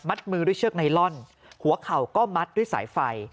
มือด้วยเชือกไนลอนหัวเข่าก็มัดด้วยสายไฟ